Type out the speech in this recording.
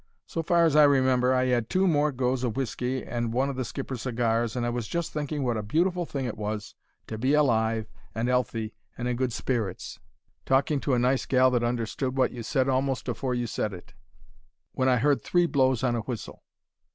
So far as I remember, I 'ad two more goes o' whisky and one o' the skipper's cigars, and I was just thinking wot a beautiful thing it was to be alive and 'ealthy and in good spirits, talking to a nice gal that understood wot you said a'most afore you said it, when I 'eard three blows on a whistle.